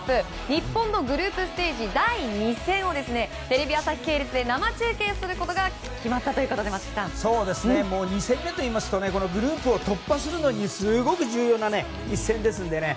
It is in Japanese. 日本のグループステージ第２戦をテレビ朝日系列で生中継することが決まったということで２戦目といいますとグループを突破するのにすごく重要な一戦ですので。